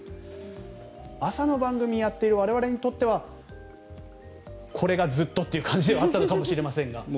朝の番組をやっている我々にとってはこれがずっとという感じではあったかもしれませんが。